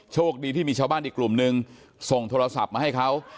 โชคดีที่มีชาวบ้านอีกกลุ่มนึงส่งโทรศัพท์มาให้เขา